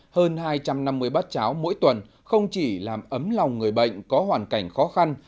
hơn hai trăm năm mươi bát cháo mỗi tuần không chỉ làm ấm lòng người bệnh có hoàn cảnh khó khăn